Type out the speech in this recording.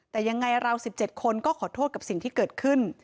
แต่ยังไงเรา๑๗คนก็ขอโทษกับสิ่งที่เกิดขึ้น